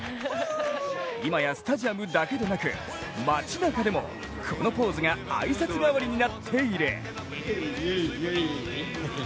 今やスタジアムだけでなく、街なかでもこのポーズが挨拶代わりになっている。